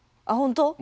あっほんと？